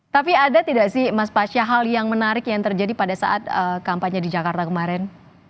tapi ada tidak sih mas pasya hal yang menarik yang terjadi pada saat kampanye di jakarta kemarin